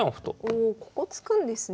おここ突くんですね。